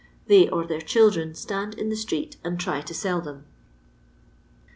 They or their children stand in the itieet and try to sell them.